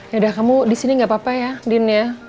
yaudah kamu di sini gak apa apa ya din ya